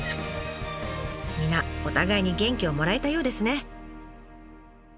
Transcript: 皆お互いに元気をもらえたようですね。